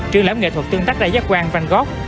triển lãm nghệ thuật tương tác đa giác quan van gogh